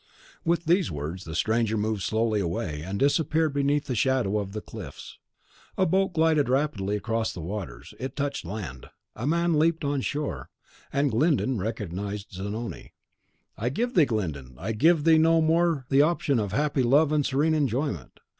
With these words the stranger moved slowly away, and disappeared beneath the shadow of the cliffs. A boat glided rapidly across the waters: it touched land; a man leaped on shore, and Glyndon recognised Zanoni. "I give thee, Glyndon, I give thee no more the option of happy love and serene enjoyment.